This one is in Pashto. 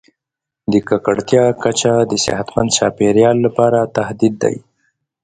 د ککړتیا کچه د صحتمند چاپیریال لپاره تهدید دی.